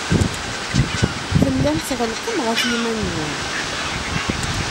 Tellam tɣellqem ɣef yiman-nwen.